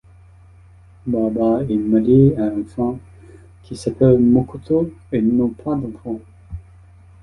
Baba est marié à une femme qui s'appelle Mokoto et n'ont pas d'enfants.